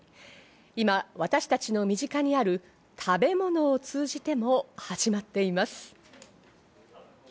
今私たちの身近にある食べ物を通じても始まっています。